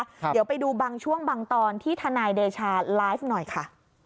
เดี๋ยวไปดูบางช่วงบางตอนที่ทนายเดชาไลฟ์หน่อยค่ะ